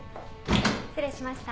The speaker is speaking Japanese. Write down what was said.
失礼しました。